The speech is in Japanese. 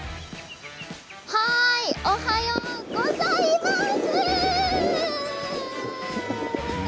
おはようございます。